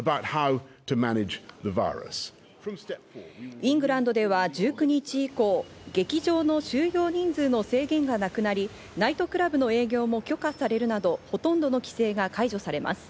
イングランドでは１９日以降、劇場の収容人数の制限がなくなり、ナイトクラブの営業も許可されるなど、ほとんどの規制が解除されます。